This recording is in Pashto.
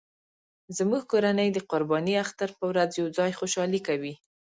زموږ کورنۍ د قرباني اختر په ورځ یو ځای خوشحالي کوي